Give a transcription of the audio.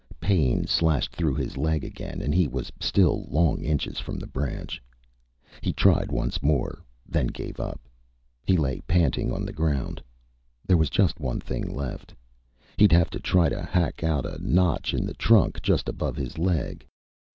Pain slashed through his leg again and he was still long inches from the branch. He tried once more, then gave up. He lay panting on the ground. There was just one thing left. He'd have to try to hack out a notch in the trunk just above his leg.